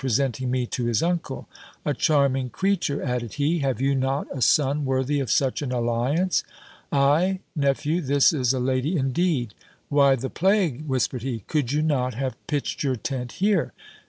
presenting me to his uncle. "A charming creature!" added he: "Have you not a son worthy of such an alliance?" "Ay, nephew, this is a lady indeed! Why the plague," whispered he, "could you not have pitched your tent here?